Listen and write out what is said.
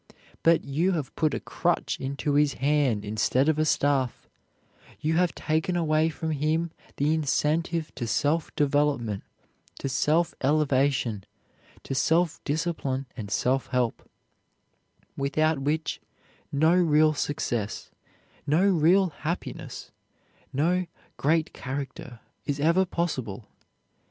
But you have put a crutch into his hand instead of a staff; you have taken away from him the incentive to self development, to self elevation, to self discipline and self help, without which no real success, no real happiness, no great character is ever possible.